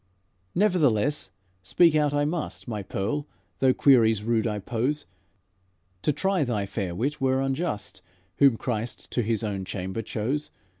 "Nevertheless, speak out I must, My Pearl, though queries rude I pose. To try thy fair wit were unjust Whom Christ to His own chamber chose.